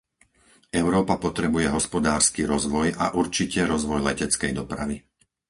Európa potrebuje hospodársky rozvoj a určite rozvoj leteckej dopravy.